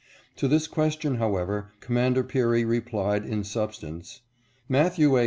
To this question, however, Commander Peary replied, in substance: "Matthew A.